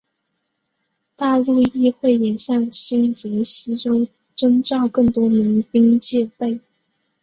大陆议会也向新泽西州征召更多民兵戒备。